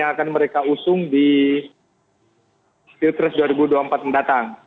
yang akan mereka usung di pilpres dua ribu dua puluh empat mendatang